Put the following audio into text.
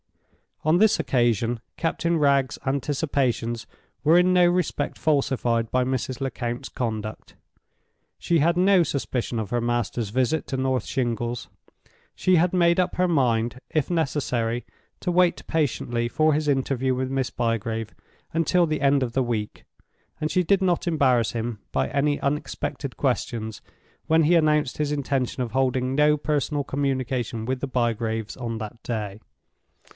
On this occasion Captain Wragge's anticipations were in no respect falsified by Mrs. Lecount's conduct. She had no suspicion of her master's visit to North Shingles: she had made up her mind, if necessary, to wait patiently for his interview with Miss Bygrave until the end of the week; and she did not embarrass him by any unexpected questions when he announced his intention of holding no personal communication with the Bygraves on that day.